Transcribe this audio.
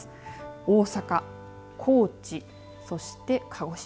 大阪、高知そして鹿児島。